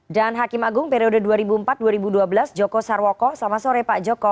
dan hakim agung periode dua ribu empat dua ribu dua belas joko sarwoko selamat sore pak joko